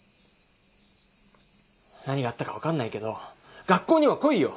何があったか分かんないけど学校には来いよ。